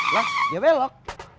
lah dia belok